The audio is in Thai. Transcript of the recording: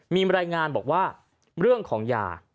มีบรรยายงานบอกว่าเรื่องของยา